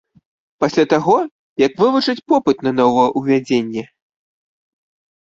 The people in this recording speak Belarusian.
Пасля таго, як вывучаць попыт на новаўвядзенне.